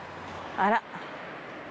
あら。